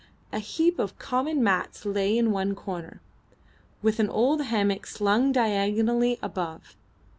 A heap of common mats lay in one corner, with an old hammock slung diagonally above.